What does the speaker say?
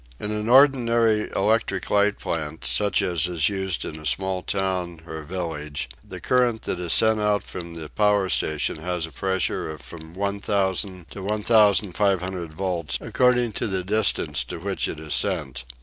In the ordinary electric light plant, such as is used in a small town or village, the current that is sent out from the power station has a pressure of from 1000 to 1500 volts, according to the distance to which it is sent.